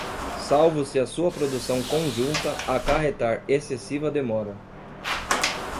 salvo se a sua produção conjunta acarretar excessiva demora